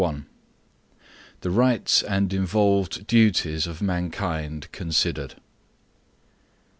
THE RIGHTS AND INVOLVED DUTIES OF MANKIND CONSIDERED.